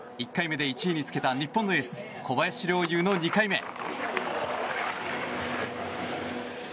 １回目で１位につけた日本のエース小林陵侑の２回目。